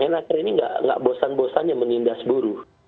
dan akhirnya ini nggak bosan bosannya menindas buruh